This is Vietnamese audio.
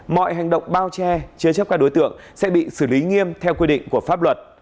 mọi hành động bao che chứa chấp các đối tượng sẽ bị xử lý nghiêm theo quy định của pháp luật